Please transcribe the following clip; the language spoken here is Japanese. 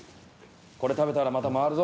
これ食べたらまた回るぞ。